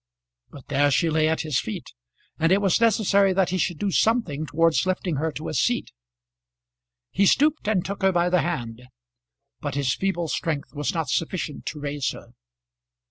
But there she lay at his feet, and it was necessary that he should do something towards lifting her to a seat. He stooped and took her by the hand, but his feeble strength was not sufficient to raise her.